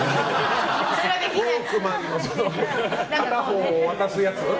ウォークマンの片方を渡すやつ。